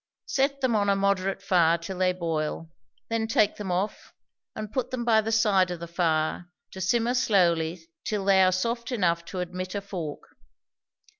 Set them on a moderate fire till they boil; then take them off, and put them by the side of the fire to simmer slowly till they are soft enough to admit a fork.